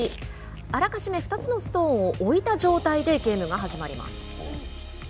あらかじめ２つのストーンを置いた状態でゲームが始まります。